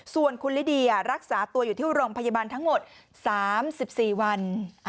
ส่วนคุณลิเดียรักษาตัวอยู่ที่โรงพยาบาลทั้งหมด๓๔วัน